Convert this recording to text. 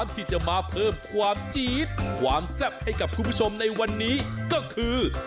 ที่จะมาเพิ่มความจี๊ดความแซ่บให้กับคุณผู้ชมในวันนี้ก็คือ